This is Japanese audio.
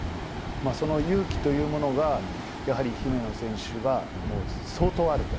その勇気というものが、やはり姫野選手はもう相当あると。